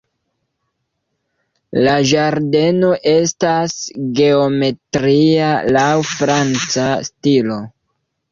La ĝardeno estas geometria laŭ franca stilo.